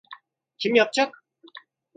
Kim yapacak?